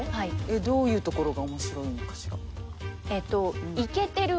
どういうところが面白いのかしら？